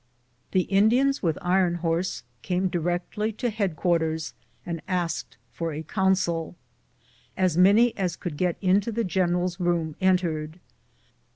The Indians with Iron Horse came directly to head quarters and asked for a council. As many as could get into the general's room entered.